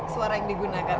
suara yang digunakan